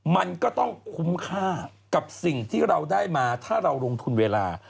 มันก็ต้องคุ้มค่ากับสิ่งที่เราได้มาถ้าเราลงทุนเวลา